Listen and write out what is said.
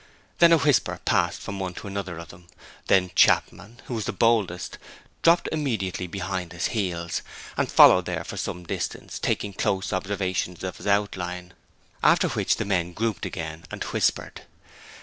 Then a whisper passed from one to another of them; then Chapman, who was the boldest, dropped immediately behind his heels, and followed there for some distance, taking close observations of his outline, after which the men grouped again and whispered.